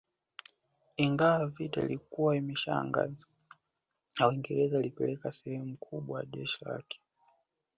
Ingawa vita ilikuwa imeshatangazwa na Uingereza ilipeleka sehemu kubwa ya jeshi lake